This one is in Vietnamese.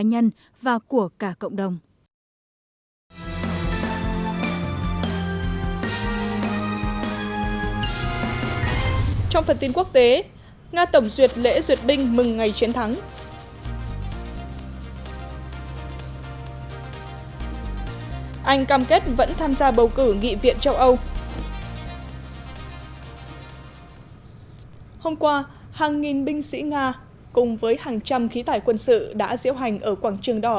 hôm qua hàng nghìn binh sĩ nga cùng với hàng trăm khí tải quân sự đã diễu hành ở quảng trường đỏ